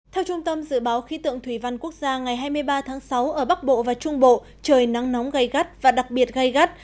theo trung tâm dự báo khí tượng thủy văn quốc gia ngày hai mươi ba tháng sáu ở bắc bộ và trung bộ trời nắng nóng gây gắt và đặc biệt gây gắt